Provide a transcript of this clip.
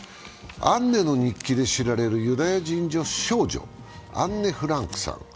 「アンネの日記」で知られるユダヤ人少女、アンネ・フランクさん。